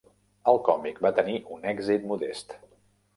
El còmic va tenir un èxit modest.